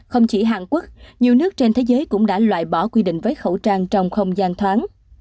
không chỉ hàn quốc nhiều nước trên thế giới cũng đã loại bỏ quy định với khẩu trang trong không gian thoáng